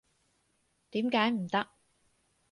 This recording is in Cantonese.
點解唔得？